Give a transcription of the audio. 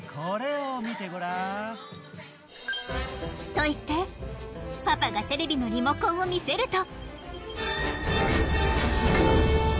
と言ってパパがテレビのリモコンを見せると。